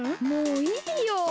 もういいよ。